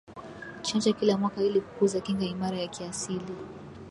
Chanja kila mwaka ili kukuza kinga imara ya kiasili